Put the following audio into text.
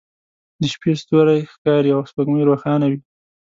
د شپې ستوری ښکاري او سپوږمۍ روښانه وي